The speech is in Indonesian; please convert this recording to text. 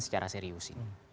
secara serius ini